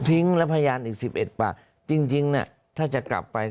ทิ้งแล้วพยานอีก๑๑ปากจริงเนี่ยถ้าจะกลับไป